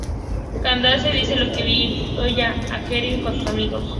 Candace dice lo que vio ella, a Jeremy con sus amigos.